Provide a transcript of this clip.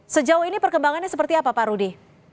sejauh ini perkembangannya seperti apa pak rudy